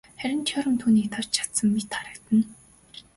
Харин Теорем түүнийг давж чадсан мэт харагдана.